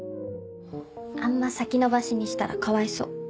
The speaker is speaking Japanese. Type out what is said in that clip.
あんま先延ばしにしたらかわいそう。